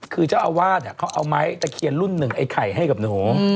คือเจ้าอาวาสเขาเอาไม้ตะเคียนรุ่นหนึ่งไอ้ไข่ให้กับหนู